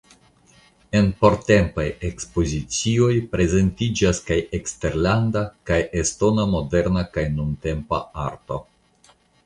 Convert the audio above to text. En portempaj ekspozicioj prezentiĝas kaj eksterlanda kaj estona moderna kaj nuntempa arto.